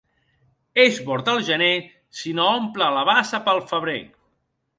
És bord el gener si no omple la bassa pel febrer.